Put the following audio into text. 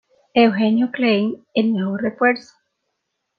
Eugenio Klein, el nuevo refuerzo.